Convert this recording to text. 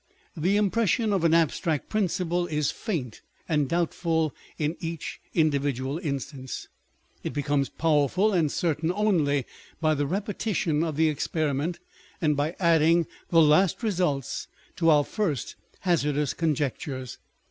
The im pression of an abstract principle is faint and doubtful in each individual instance ; it becomes powerful and certain only by the repetition of the experiment, and by adding the last results to our first hazardous conjectures.